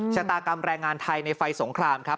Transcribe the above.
ชะตากรรมแรงงานไทยในไฟสงครามครับ